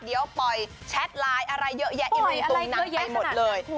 เดี๋ยวปล่อยแชทไลน์อะไรเยอะแยะอินวีตรงหนังไปหมดเลย